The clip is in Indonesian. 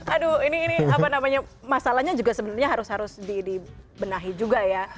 aduh ini apa namanya masalahnya juga sebenarnya harus harus dibenahi juga ya